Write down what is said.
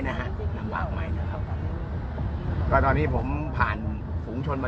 นะฮะลำบากใหม่นะครับก็ตอนนี้ผมผ่านฝูงชนมา